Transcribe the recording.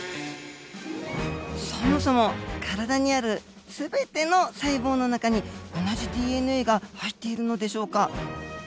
そもそも体にある全ての細胞の中に同じＤＮＡが入っているのでしょうか。